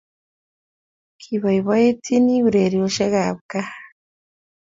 Kibaibaitynchini urerioshek ab kaa